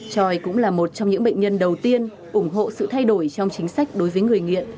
tròi cũng là một trong những bệnh nhân đầu tiên ủng hộ sự thay đổi trong chính sách đối với người nghiện